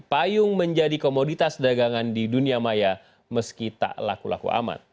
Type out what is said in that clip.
payung menjadi komoditas dagangan di dunia maya meski tak laku laku amat